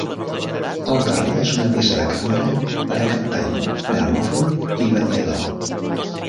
El darrer és una peça de cambra per a cantant, gramòfon i vetllador.